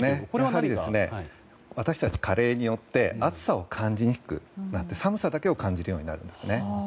やはり私たちは加齢によって暑さを感じにくくなって寒さだけを感じるようになるんですね。